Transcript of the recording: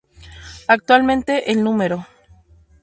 Actualmente el No.